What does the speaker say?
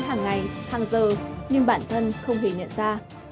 hàng ngày hàng giờ nhưng bản thân không hề nhận ra